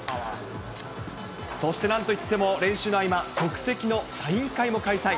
そしてなんといっても、練習の合間、即席のサイン会も開催。